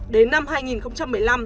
đến năm hai nghìn một mươi năm